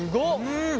うん！